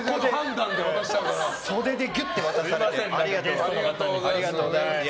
それでギュッと渡されて。